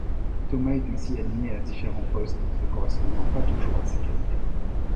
Thomas est ainsi aligné à différents postes ne correspondant pas toujours à ses qualités.